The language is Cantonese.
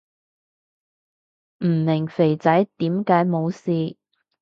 唔明肥仔點解冇事